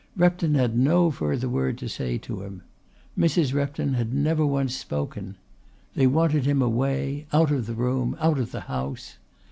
Repton had no further word to say to him. Mrs. Repton had never once spoken. They wanted him away, out of the room, out of the house.